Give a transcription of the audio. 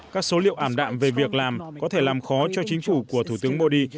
các số liệu ảm đạm về việc làm có thể làm khó cho chính phủ của thủ tướng modi